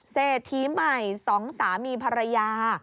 เศรษฐีใหม่๒สามีภรรยา